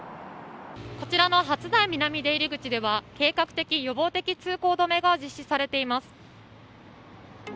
こちらの初台南出入り口では計画的・予防的通行止めが実施されています。